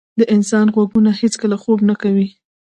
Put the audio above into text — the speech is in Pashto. د انسان غوږونه هیڅکله خوب نه کوي.